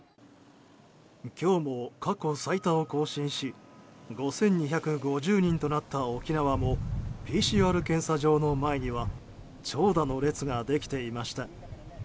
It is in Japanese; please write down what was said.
今日も過去最多を更新し５２５０人となった沖縄もＰＣＲ検査場の前には長蛇の列ができていました。